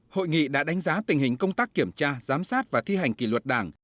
hội nghị đã đánh giá tình hình công tác kiểm tra giám sát và thi hành kỷ luật đảng